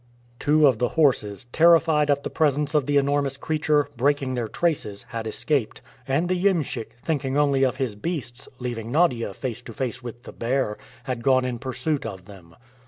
Two of the horses, terrified at the presence of the enormous creature, breaking their traces, had escaped, and the iemschik, thinking only of his beasts, leaving Nadia face to face with the bear, had gone in pursuit of them.